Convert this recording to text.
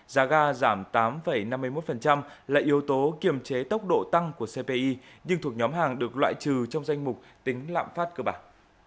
giá ga giảm tám năm mươi một là yếu tố kiềm chế tốc độ tăng của cpi nhưng thuộc nhóm hàng được loại trừ trong danh mục tính lạm phát cơ bản